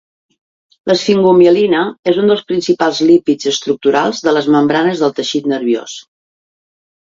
L'esfingomielina és un dels principals lípids estructurals de les membranes del teixit nerviós.